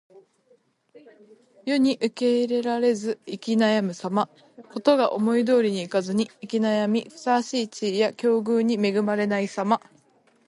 世に受け入れられず行き悩むさま。事が思い通りにいかず行き悩み、ふさわしい地位や境遇に恵まれないさま。